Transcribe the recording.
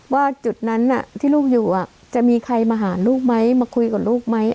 ว่าจุดนั้นที่ลูกอยู่จะมีใครมาหาลูกไหมมาคุยกับลูกไหม